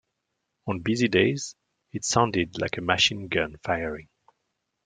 On busy days, it sounded like a machine gun firing.